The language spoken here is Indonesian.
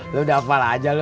lo udah apal aja lo